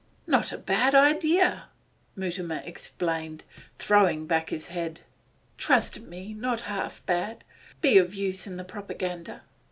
'Not a bad idea!' Mutimer exclaimed, throwing back his head. 'Trust me, not half bad. Be of use in the propaganda.